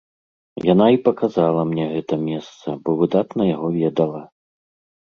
Яна і паказала мне гэта месца, бо выдатна яго ведала.